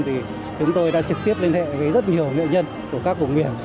thì chúng tôi đã trực tiếp liên hệ với rất nhiều nghệ nhân của các vùng miền